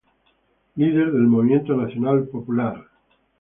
Líder del Movimiento Nacional Popular.